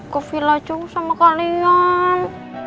coffee lajung sama kalian